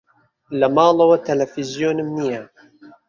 لە ماڵەوە تەلەڤیزیۆنم نییە.